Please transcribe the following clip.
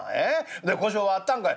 で胡椒はあったんかい？」。